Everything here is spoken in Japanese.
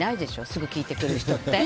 すぐ聞いてくる人って。